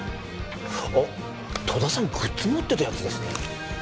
あ戸田さんグッズ持ってたやつですね